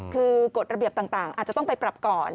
คือกฎระเบียบต่างอาจจะต้องไปปรับก่อน